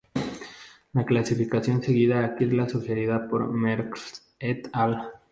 La clasificación seguida aquí es la sugerida por Merckx "et al.